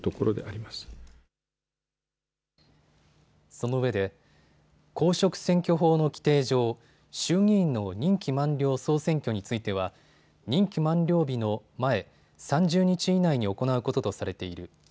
そのうえで公職選挙法の規定上、衆議院の任期満了総選挙については任期満了日の前３０日以内に行うこととされている。